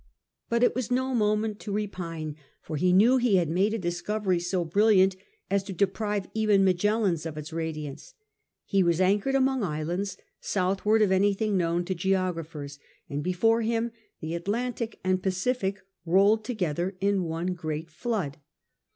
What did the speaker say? But it was no moment to repine, for he knew he had made a discovery so brilliant as to deprive even Magellan's of its radiance. He was anchored among islands southward of anything known to geographers, and before him the Atlantic and Pacific rolled together in one great flood.